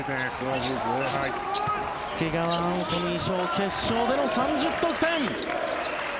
介川アンソニー翔決勝での３０得点。